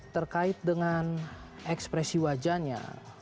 terkait dengan ekspresi wajahnya